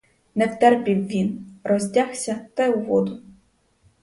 Не втерпів він — роздягся та у воду.